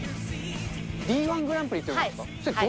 Ｄ１グランプリっていうんですか？